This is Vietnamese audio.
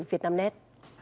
việt nam net